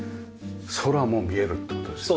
空も見えるって事ですよね。